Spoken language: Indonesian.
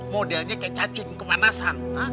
modelnya kayak cacing kepanasan